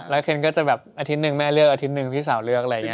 แล้วเคนก็จะแบบอาทิตย์หนึ่งแม่เลือกอาทิตย์หนึ่งพี่สาวเลือกอะไรอย่างนี้